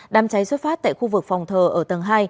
đám cháy xuất phát tại khu vực phòng thờ ở tầng hai